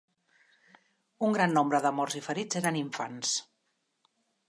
Un gran nombre dels morts i ferits eren infants.